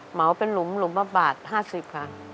เหมาะว่าเป็นหลุมหลุมประมาณบาท๕๐บาทค่ะ